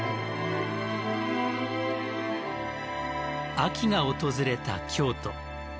秋が訪れた京都。